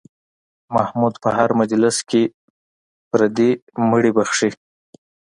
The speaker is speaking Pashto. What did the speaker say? محمود په هر مجلس کې پردي مړي بښي.